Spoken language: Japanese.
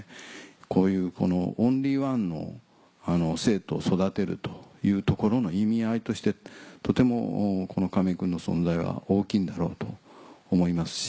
こういうオンリーワンの生徒を育てるというところの意味合いとしてとても亀井君の存在は大きいんだろうと思いますし。